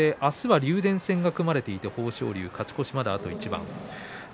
明日は竜電戦が組まれている豊昇龍、勝ち越しまであと一番です。